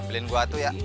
ambilin gue atuh ya